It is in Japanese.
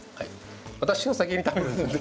私が先に食べるんですね？